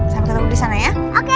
sampai ketemu di sana ya